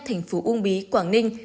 tp uông bí quảng ninh